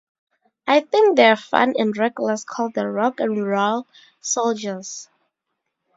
I think they're fun and reckless called The Rock 'N Roll Soldiers.